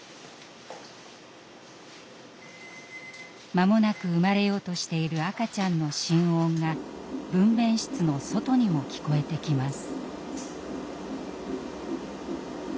間もなく産まれようとしている赤ちゃんの心音が分娩室の外にも聞こえてきます。